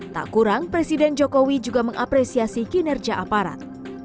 tak kurang presiden jokowi juga mengapresiasi kinerja aparat